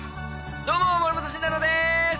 どうも森本慎太郎です！